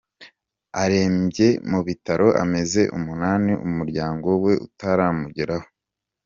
Arembeye mu bitaro amezi umunani umuryango we utaramugeraho